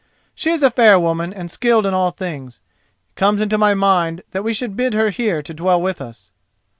She is a fair woman and skilled in all things. It comes into my mind that we should bid her here to dwell with us."